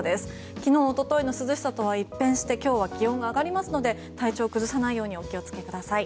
昨日おとといの涼しさとは一変して今日は気温が上がりますので体調を崩さないようにお気をつけください。